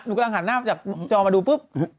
หนูกำลังหันหน้าจากจอมาดู